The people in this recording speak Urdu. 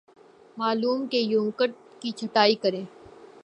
معمول کے یونیکوڈ کی چھٹائی کریں